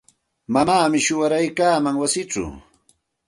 Mamaami shuwaraykaaman wasichaw.